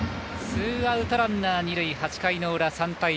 ツーアウトランナーは二塁８回の裏、３対１。